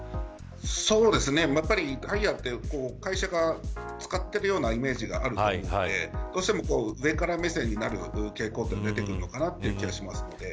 やっぱりハイヤーって会社が使っているようなイメージがあるのでどうしても上から目線になる傾向は出てくるのかなという気がします。